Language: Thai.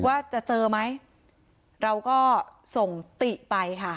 ว่าจะเจอไหมเราก็ส่งติไปค่ะ